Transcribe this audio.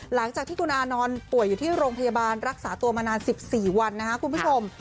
หลังจากที่คุณอานอนป่วยอยู่ที่โรงพยาบาลรักษาตัวมานาน๑๔วันนะครับคุณผู้ชม